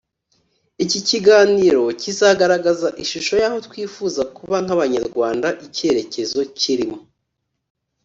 iki kiganiro kizagaragaza ishusho y aho twifuza kuba nk abanyarwanda icyerekezo kirimo